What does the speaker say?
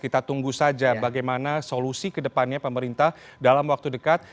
kita tunggu saja bagaimana solusi kedepannya pemerintah dalam waktu dekat